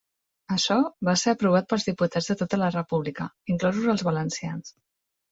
Açò va ser aprovat pels diputats de tota la República, inclosos els valencians